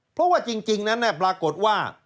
เพราะว่าจริงนั้นปรากฏว่า